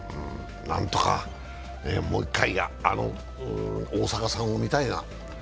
なんとかもう１回、あの大坂さんを見たいな。